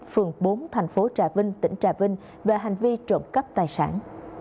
phường bốn thành phố trà vinh tỉnh trà vinh về hành vi trộm cắp tài sản